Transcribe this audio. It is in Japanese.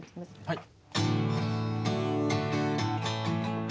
はい。